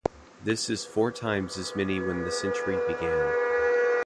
This is four times as many as when the century began.